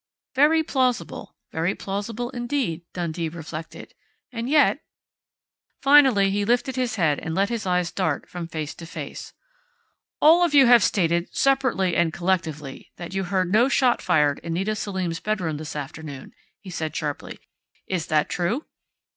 Very plausible, very plausible indeed, Dundee reflected. And yet Finally he lifted his head and let his eyes dart from face to face. "All of you have stated, separately and collectively, that you heard no shot fired in Nita Selim's bedroom this afternoon," he said sharply. "Is that true?"